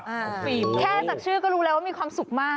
ทุกปีแค่จากชื่อก็รู้แล้วว่ามีความสุขมาก